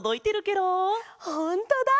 ほんとだ！